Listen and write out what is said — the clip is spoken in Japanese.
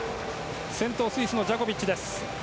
先頭はスイスのジャコビッチ。